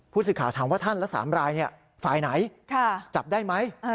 ผู้สิทธิ์ข่าวถามว่าท่านและ๓รายเนี่ยฝ่ายไหนจับได้ไหม